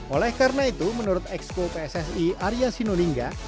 oleh karena itu menurut exco pssi arya sinulinga